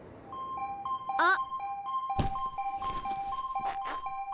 あっ。